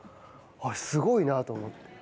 あれ、すごいなと思って。